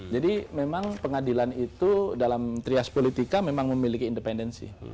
jadi memang pengadilan itu dalam trias politika memang memiliki independensi